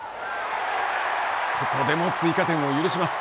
ここでも追加点を許します。